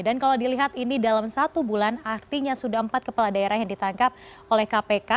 dan kalau dilihat ini dalam satu bulan artinya sudah empat kepala daerah yang ditangkap oleh kpk